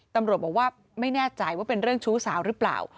ตำรวจบอกว่าไม่แน่ใจว่าเป็นเรื่องชู้สาวหรือเปล่า